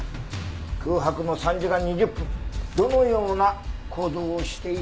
空白の３時間２０分どのような行動をしていたのか？